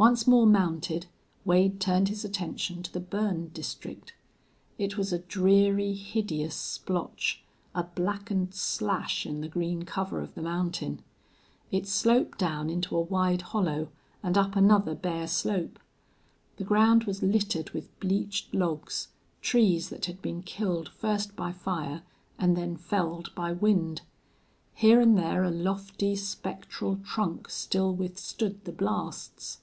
Once more mounted, Wade turned his attention to the burned district. It was a dreary, hideous splotch, a blackened slash in the green cover of the mountain. It sloped down into a wide hollow and up another bare slope. The ground was littered with bleached logs, trees that had been killed first by fire and then felled by wind. Here and there a lofty, spectral trunk still withstood the blasts.